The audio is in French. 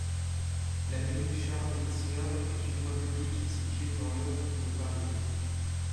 L'avenue Charles-Risler est une voie publique située dans le de Paris.